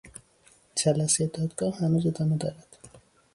جلسهی دادگاه هنوز ادامه دارد.